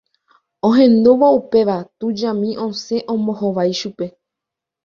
hendúvo upéva tujami osẽ ombohovái chupe